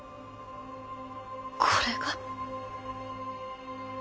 これが。